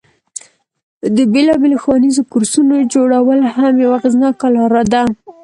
د بیلابیلو ښوونیزو کورسونو جوړول هم یوه اغیزناکه لاره ده.